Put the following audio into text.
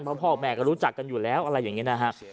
เพราะพ่อแม่ก็รู้จักกันอยู่แล้วอะไรอย่างนี้นะฮะ